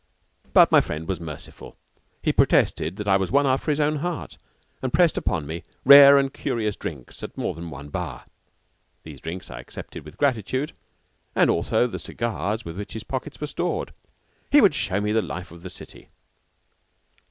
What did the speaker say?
But my friend was merciful. He protested that I was one after his own heart, and pressed upon me rare and curious drinks at more than one bar. These drinks I accepted with gratitude, as also the cigars with which his pockets were stored. He would show me the life of the city.